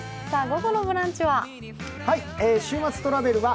午後の「ブランチ」は？